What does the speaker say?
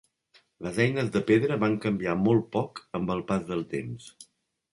Les eines de pedra van canviar molt poc amb el pas del temps.